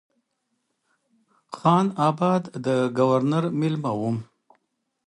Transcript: خان آباد د ګورنر مېلمه وم.